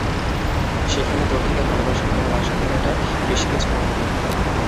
সেখানে তোর থেকে ভালোবাসা পাওয়ার আশা করাটা বেশি কিছু মনে হয়।